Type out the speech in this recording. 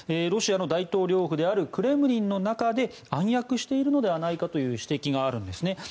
ロシアの大統領府であるクレムリンの中で暗躍しているのではないかという指摘があるんですね。